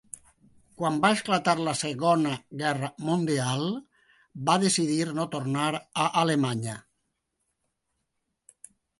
Quan va esclatar la Segona Guerra Mundial, va decidir no tornar a Alemanya.